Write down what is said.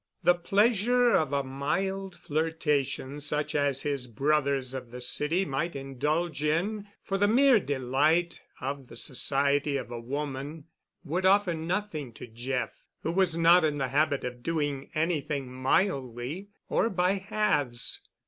The pleasure of a mild flirtation such as his brothers of the city might indulge in for the mere delight of the society of a woman would offer nothing to Jeff, who was not in the habit of doing anything mildly or by halves.